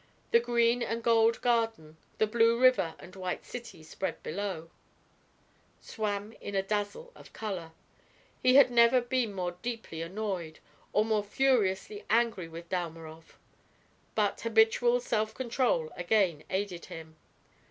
The green and gold garden, the blue river and white city spread below, swam in a dazzle of color. He had never been more deeply annoyed, or more furiously angry with Dalmorov. But habitual self control again aided him.